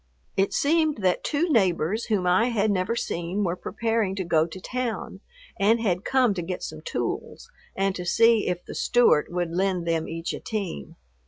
It seemed that two neighbors whom I had never seen were preparing to go to town, and had come to get some tools and to see if the Stewart would lend them each a team.